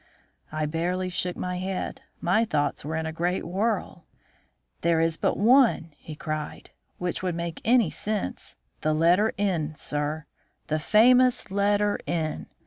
I blankly shook my head. My thoughts were in a great whirl. "There is but one," he cried, "which would make any sense; the letter N, sir, the famous letter N.